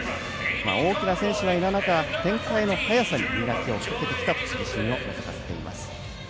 大きな選手がいない中展開の速さに磨きをかけてきたと自信をのぞかせています。